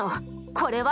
これは！